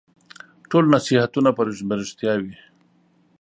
ټول نصیحتونه به رېښتیا وي ؟